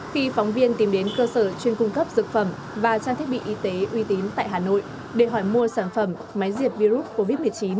khi phóng viên tìm đến cơ sở chuyên cung cấp dược phẩm và trang thiết bị y tế uy tín tại hà nội để hỏi mua sản phẩm máy diệt virus covid một mươi chín